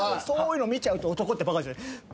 そういうの見ちゃうと男ってバカ。